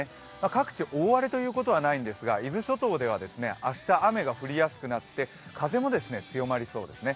各地、大荒れということはないんですが伊豆諸島では、明日、雨が降りやすくなって風も強まりそうですね。